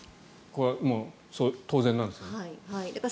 これ、当然なんですか。